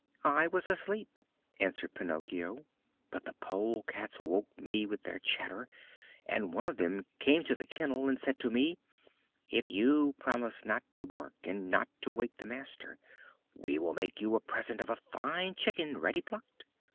"I was asleep," answered Pinocchio, "but the polecats woke me with their chatter and one of them came to the kennel and said to me: 'If you promise not to bark, and not to wake the master, we will make you a present of a fine chicken ready plucked!'